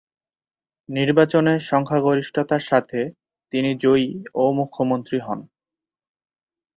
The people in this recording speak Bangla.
নির্বাচনে সংখ্যাগরিষ্ঠতার সাথে তিনি জয়ী ও মুখ্যমন্ত্রী হন।